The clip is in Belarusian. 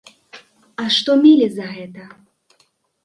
А што мелі за гэта?